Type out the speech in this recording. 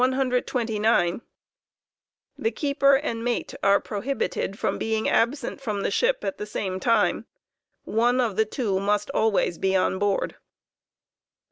pUpt * 129/ The keeper and mate are prohibited from being absent from the ship at the same time j one of Ihe two must always be on board.